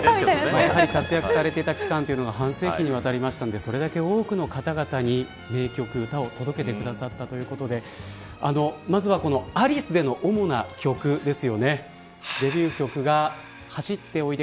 活躍されていた期間が半世紀にわたっていたのでそれだけ多くの方々に名曲を届けてくださったということでまずは、アリスでの主な曲です。